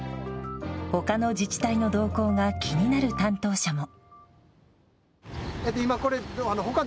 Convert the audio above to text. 他の自治体の動向が気になる担当者も。